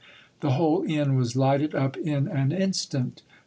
The whole inn was lighted up in an instant.